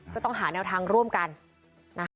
ก็ต้องหาแนวทางร่วมกันนะคะ